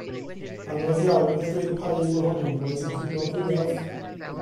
Anodd iawn oedd dweud pa un ohonyn nhw oedd yn cwyno fwyaf.